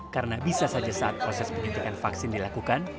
karena bisa saja saat proses penyuntikan vaksin dilakukan